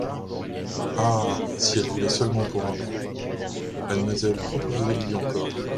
Ah ! si elle voulait seulement pour un an … Mademoiselle, proposez-lui encore.